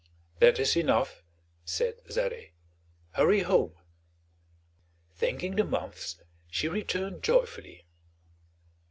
"That is enough," said Zarè, "hurry home." Thanking the months, she returned joyfully.